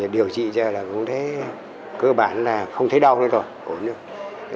điều trị ra là không thấy cơ bản là không thấy đau nữa rồi